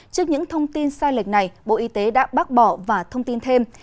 trước những thông tin sai lệch này bộ y tế đã bác bỏ và thông tin thêm